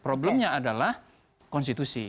problemnya adalah konstitusi